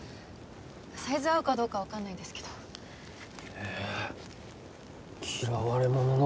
サイズ合うかどうか分かんないですけどえっ嫌われ者の